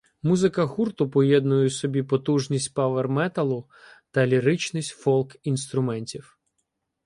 Музика гурту поєднує у собі потужність павер-металу та ліричність фолк-інструментів.